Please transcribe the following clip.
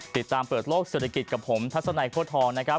เปิดโลกเศรษฐกิจกับผมทัศนัยโค้ทองนะครับ